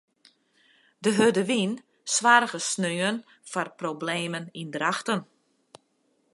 De hurde wyn soarge saterdei foar problemen yn Drachten.